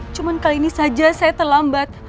cuma kali ini saja saya terlambat